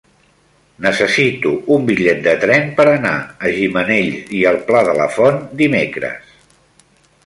Necessito un bitllet de tren per anar a Gimenells i el Pla de la Font dimecres.